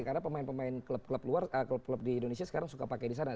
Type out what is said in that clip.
karena pemain pemain klub klub di indonesia sekarang suka pake di sana